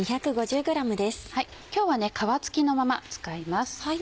今日は皮付きのまま使います。